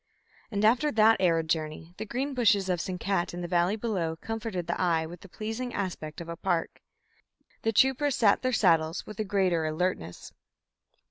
And after that arid journey the green bushes of Sinkat in the valley below comforted the eye with the pleasing aspect of a park. The troopers sat their saddles with a greater alertness.